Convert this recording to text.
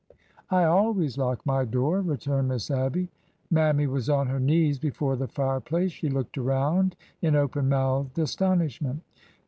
I always lock my door," returned Miss Abby. Mammy was on her knees before the fireplace. She looked around in open mouthed astonishment.